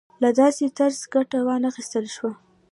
له داسې طرزه ګټه وانخیستل شوه.